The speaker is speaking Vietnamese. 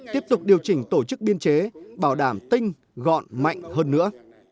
tiếp tục điều chỉnh tổ chức biên chế bảo đảm tinh gọn mạnh hơn nữa